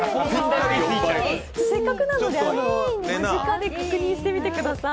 せっかくなので間近で確認してみてください。